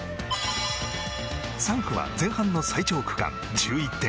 ３区は前半の最長区間１１．９ｋｍ。